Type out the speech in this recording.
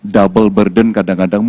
double burden kadang kadang multi burden gitu